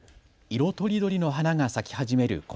色とりどりの花が咲き始める